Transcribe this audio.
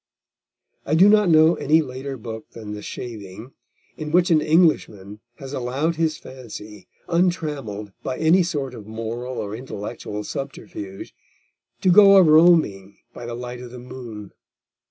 I do not know any later book than The Shaving in which an Englishman has allowed his fancy, untrammelled by any sort of moral or intellectual subterfuge, to go a roaming by the light of the moon.